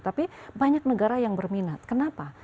tapi banyak negara yang berminat kenapa